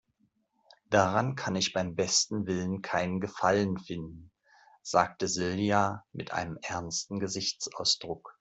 Daran kann ich beim besten Willen keinen Gefallen finden, sagte Silja mit einem ernsten Gesichtsausdruck.